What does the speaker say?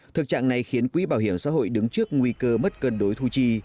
thực trạng này khiến quỹ bảo hiểm xã hội đứng trước nguy cơ mất cân đối thu chi